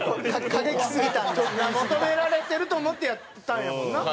求められてると思ってやったんやもんな。